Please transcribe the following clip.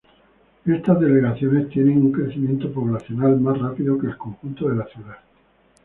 Estas delegaciones tienen un crecimiento poblacional más rápido que el conjunto de la ciudad.